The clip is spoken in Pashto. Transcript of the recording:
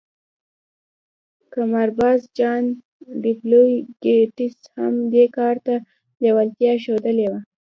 قمارباز جان ډبلیو ګیټس هم دې کار ته لېوالتیا ښوولې وه